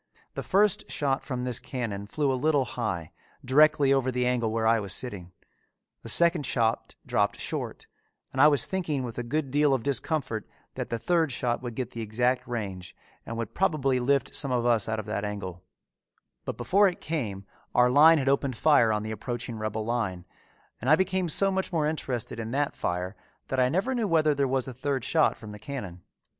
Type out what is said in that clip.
The first shot from this cannon flew a little high, directly over the angle where I was sitting. The second shot dropped short, and I was thinking with a good deal of discomfort that the third shot would get the exact range and would probably lift some of us out of that angle; but before it came our line had opened fire on the approaching rebel line and I became so much interested in that fire that I never knew whether there was a third shot from the cannon.